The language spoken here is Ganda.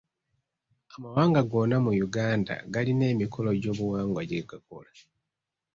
Amawanga gonna mu Uganda galina emikolo gy'obuwangwa gye gakola.